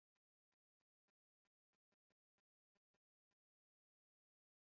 gusobanukirwa kandi ntukibagirwe amagambo